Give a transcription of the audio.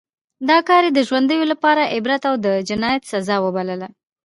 دا کار یې د ژوندیو لپاره عبرت او د جنایت سزا وبلله.